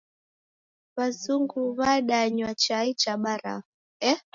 W'azungu w'adanywa chai cha barafu.